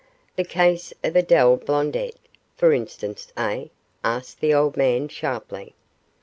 'The case of Adele Blondet, for instance, eh?' asked the old man sharply.